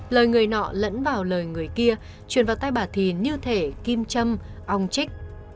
lời người nọ lẫn vào lời người kia chuyển vào tay bà thìn như thể kim châm ong chích